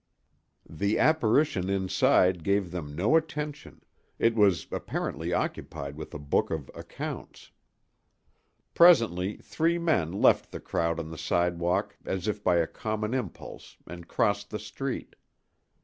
The apparition inside gave them no attention; it was apparently occupied with a book of accounts. Presently three men left the crowd on the sidewalk as if by a common impulse and crossed the street.